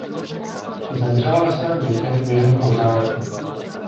Zemřela ve svém bytě během požáru.